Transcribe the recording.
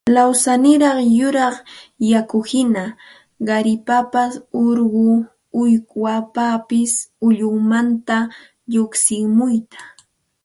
lawsaniraq yuraq yakuhina qaripapas urqu uywapapas ullunmanta lluqsimuq